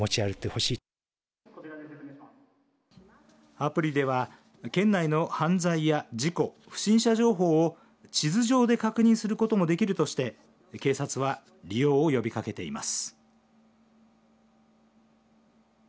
アプリでは県内の犯罪や事故不審者情報を地図上で確認することもできるとして警察は利用を呼びかけています。